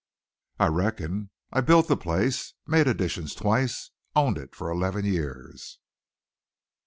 "I reckon. I built the place, made additions twice, owned it for eleven years."